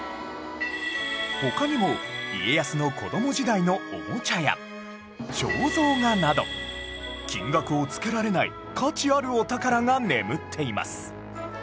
他にも家康の子供時代のおもちゃや肖像画など金額をつけられない価値あるお宝が眠っています